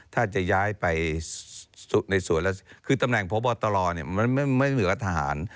ถ้าจะย้ายไปในส่วนที่ตำแหน่งพอบทศาลเป็นละทหาร